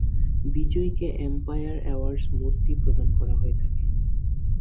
বিজয়ীকে Empire Awards মূর্তি প্রদান করা হয়ে থাকে।